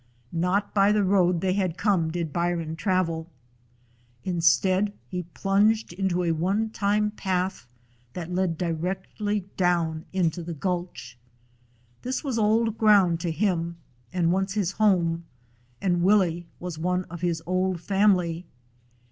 Not by the road they had come did Byron travel. Instead he plunged into a one time 146 A DOG OF SCOTLAND path that led directly down into the gulch. This was old ground to him and once his home, and Willie was one of his old family.